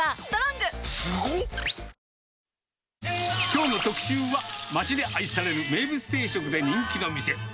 きょうの特集は、街で愛される名物定食で人気の店。